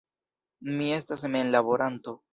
Mi estas memlaboranto.